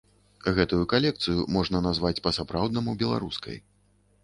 Гэтую калекцыю можна назваць па-сапраўднаму беларускай.